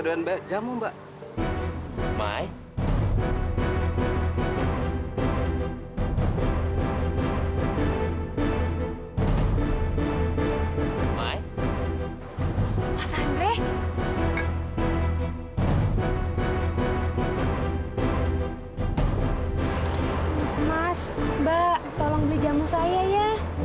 jangan kejamu saya ya